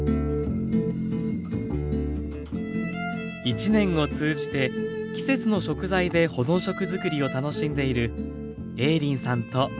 一年を通じて季節の食材で保存食づくりを楽しんでいる映林さんと静子さん。